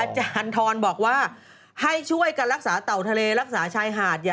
อาจารย์ทรบอกว่าให้ช่วยกันรักษาเต่าทะเลรักษาชายหาด